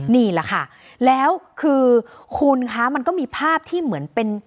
นี่แหละค่ะแล้วคือคุณคะมันก็มีภาพที่เหมือนเป็น